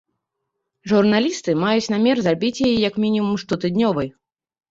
Журналісты маюць намер зрабіць яе як мінімум штотыднёвай.